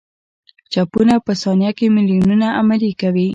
چپونه په ثانیه کې میلیونونه عملیې کوي.